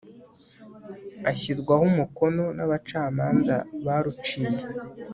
ashyirwaho umukono n abacamanza baruciye